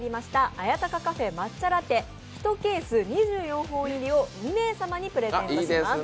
綾鷹カフェ抹茶ラテ１ケース２４本入りを２名様にプレゼントします。